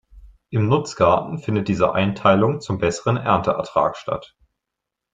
Im Nutzgarten findet diese Einteilung zum besseren Ernteertrag statt.